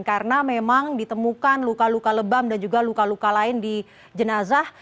karena memang ditemukan luka luka lebam dan juga luka luka lain di jenazah